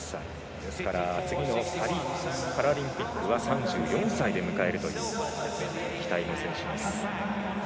ですから次のパリパラリンピックは３４歳で迎えるという期待の選手です。